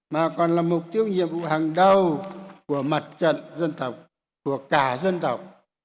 mà còn là mục tiêu nhiệm vụ hàng đầu của mặt trận dân tộc của cả dân tộc